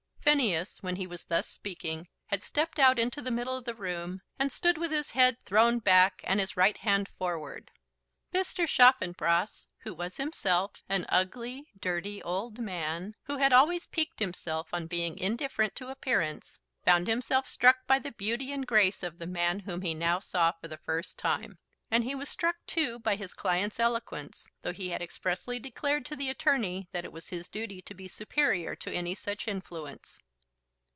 Phineas, when he was thus speaking, had stepped out into the middle of the room, and stood with his head thrown back, and his right hand forward. Mr. Chaffanbrass, who was himself an ugly, dirty old man, who had always piqued himself on being indifferent to appearance, found himself struck by the beauty and grace of the man whom he now saw for the first time. And he was struck, too, by his client's eloquence, though he had expressly declared to the attorney that it was his duty to be superior to any such influence.